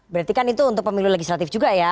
berarti kan itu untuk pemilu legislatif juga ya